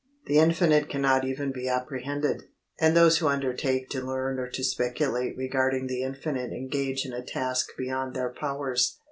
The infinite cannot even be apprehended, and those who undertake to learn or to speculate regarding the infinite engage in a task beyond their powers.